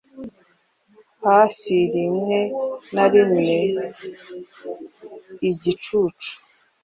Hafirimwe na rimweIgicucu